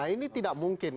itu tidak mungkin